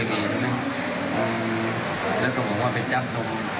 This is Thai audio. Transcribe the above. ส่วนผมก็อยู่ใครก็อยู่